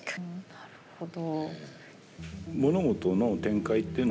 なるほど。